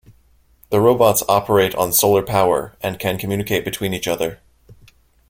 The robots operate on solar power and can communicate between each other.